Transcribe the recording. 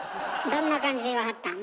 どんな感じで言わはったん？